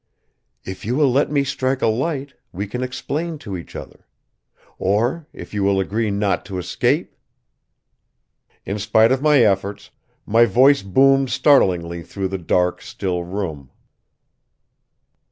"If you will let me strike a light, we can explain to each other. Or, if you will agree not to escape ?" In spite of my efforts, my voice boomed startlingly through the dark, still room.